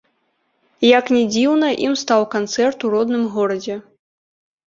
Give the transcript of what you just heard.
Як ні дзіўна, ім стаў канцэрт у родным горадзе.